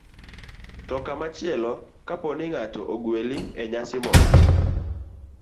To komachielo, kapo ni ng'ato ogweli e nyasi moro,